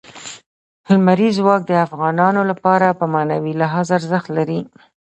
لمریز ځواک د افغانانو لپاره په معنوي لحاظ ارزښت لري.